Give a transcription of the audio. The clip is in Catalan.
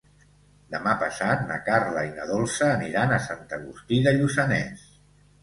Demà passat na Carla i na Dolça aniran a Sant Agustí de Lluçanès.